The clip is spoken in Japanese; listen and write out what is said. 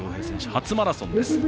初マラソンです。